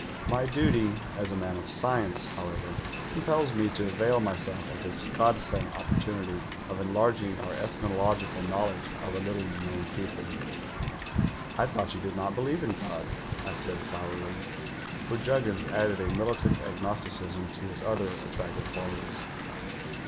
My duty as a man of science, however, compels me to avail myself of this god sent opportunity of enlarging our ethnological knowledge of a little known people.' "'I thought you did not believe in God,' I said sourly; for Juggins added a militant agnosticism to his other attractive qualities.